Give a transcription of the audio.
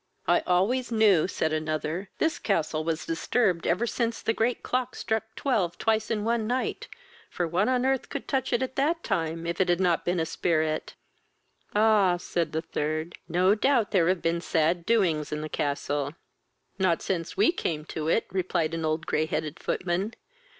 "I always knew (said another) this castle was disturbed ever since the great clock struck twelve twice in one night; for what on earth could touch it at that time, if it had not been a spirit?" "Ah! (said a third,) no doubt there have been sad doings in the castle." "Not since we came to it, (replied an old grey headed footman.)